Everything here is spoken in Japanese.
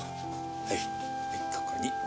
はいここに。